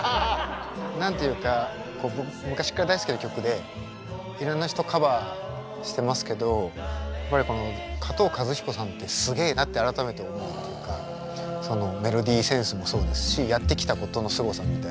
何て言うか昔から大好きな曲でいろんな人カバーしてますけど加藤和彦さんってすげえなって改めて思うというかメロディーセンスもそうですしやってきたことのすごさみたいな。